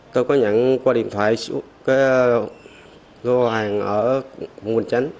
tôi có nhận qua điện thoại số hàng ở quận quỳnh chánh